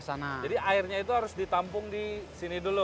jadi airnya itu harus ditampung di sini dulu